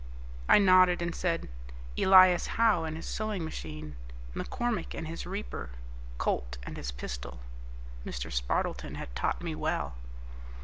I nodded and said, "Elias Howe and his sewing machine, McCormick and his reaper, Colt and his pistol." Mr. Spardleton had taught me well.